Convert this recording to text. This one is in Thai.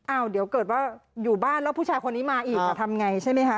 เดี๋ยวเกิดว่าอยู่บ้านแล้วผู้ชายคนนี้มาอีกจะทำไงใช่ไหมคะ